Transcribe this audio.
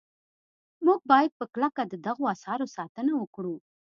موږ باید په کلکه د دغو اثارو ساتنه وکړو.